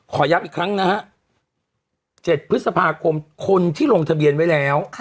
ย้ำอีกครั้งนะฮะ๗พฤษภาคมคนที่ลงทะเบียนไว้แล้ว